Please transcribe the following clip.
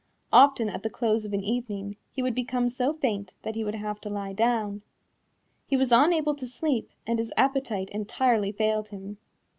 Often at the close of an evening he would become so faint that he would have to lie down. He was unable to sleep and his appetite entirely failed him.